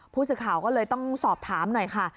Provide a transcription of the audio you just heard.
ผู้สื่อข่าวก็เลยต้องสอบถามหน่อยค่ะ